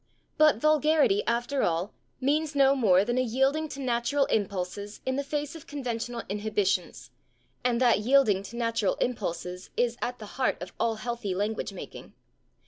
But vulgarity, after all, means no more than a yielding to natural impulses in the face of conventional inhibitions, and that yielding to natural impulses is at the heart of all healthy language making.